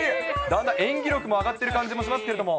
だんだん演技力も上がってる感じもしますけれども。